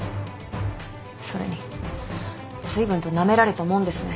それにずいぶんとなめられたもんですね。